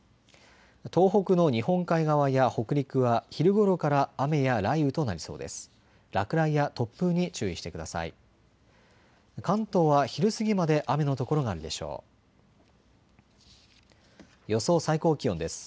東北の日本海側や北陸は昼ごろから雨や雷雨となりそうです。